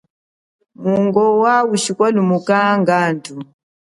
Mungowa ushikwalumuka ngandu.